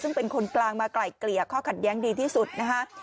ซึ่งเป็นคนกลางมาไกล่เกลี่ยข้อขัดแย้งดีที่สุดนะคะ